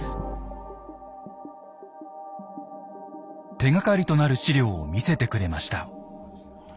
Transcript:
手がかりとなる資料を見せてくれました。